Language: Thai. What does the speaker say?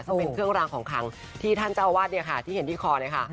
ซึ่งเป็นเครื่องรางของขังที่ท่านเจ้าอาวาสเนี่ยค่ะที่เห็นที่คอเลยค่ะ